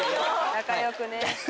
仲良くね。